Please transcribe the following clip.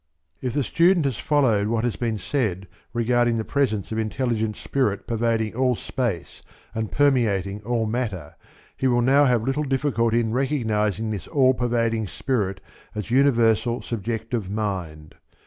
If the student has followed what has been said regarding the presence of intelligent spirit pervading all space and permeating all matter, he will now have little difficulty in recognizing this all pervading spirit as universal subjective mind.